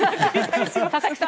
佐々木さん